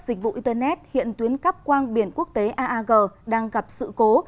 dịch vụ internet hiện tuyến cắp quang biển quốc tế aag đang gặp sự cố